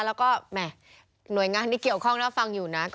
แล้วก็แหม่หน่วยงานที่เกี่ยวข้องน่าฟังอยู่นะ